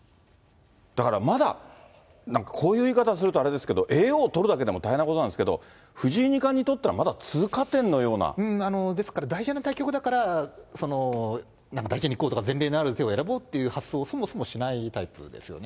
だからまだ、なんかこういう言い方をするとあれですけど、叡王取るだけでも大変なことなんですけど、藤井二冠にとっては、まだ通過点のような。ですから大事な対局だから、大事に行こうとか、前例のある手を選ぼうという発想をそもそもしないタイプですよね。